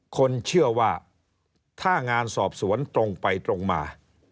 คนเชื่อว่าถ้างานสอบสวนตรงไปตรงมา